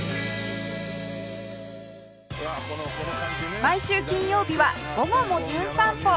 毎週金曜日は『午後もじゅん散歩』